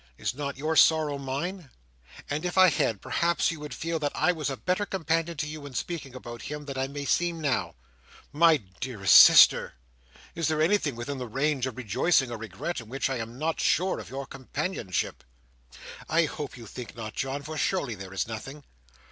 Is not your sorrow mine? And if I had, perhaps you would feel that I was a better companion to you in speaking about him, than I may seem now." "My dearest sister! Is there anything within the range of rejoicing or regret, in which I am not sure of your companionship?" "I hope you think not, John, for surely there is nothing!"